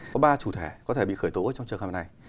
có ba chủ thể có thể bị khởi tố trong trường hợp này